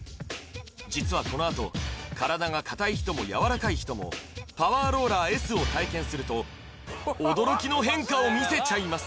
実はこのあと体がかたい人もやわらかい人もパワーローラーＳを体験すると驚きの変化を見せちゃいます